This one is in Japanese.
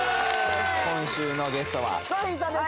今週のゲストはヒコロヒーさんです